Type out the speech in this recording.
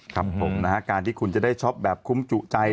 ครับผมนะฮะการที่คุณจะได้ช็อปแบบคุ้มจุใจ